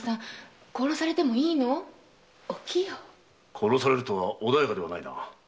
殺されるとは穏やかではないな。